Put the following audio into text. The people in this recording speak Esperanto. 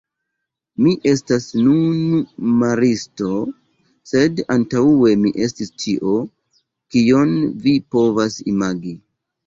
Mi estas nun maristo, sed antaŭe mi estis ĉio, kion vi povas imagi.